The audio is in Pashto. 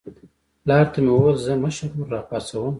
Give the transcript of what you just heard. پلار ته مې وویل زه مشر ورور راپاڅوم.